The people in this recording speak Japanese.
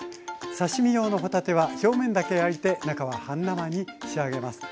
刺身用の帆立ては表面だけ焼いて中は半生に仕上げます。